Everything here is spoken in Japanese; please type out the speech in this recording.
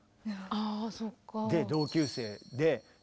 あそうか。